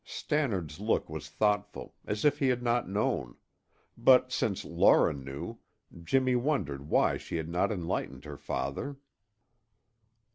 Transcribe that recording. Stannard's look was thoughtful, as if he had not known; but since Laura knew, Jimmy wondered why she had not enlightened her father.